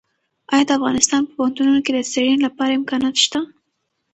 ایا د افغانستان په پوهنتونونو کې د څېړنې لپاره امکانات شته؟